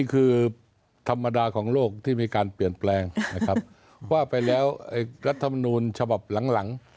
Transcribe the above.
คือธรรมดาของโลกที่มีการเปลี่ยนแปลงนะครับว่าไปแล้วรัฐมนูลฉบับหลัง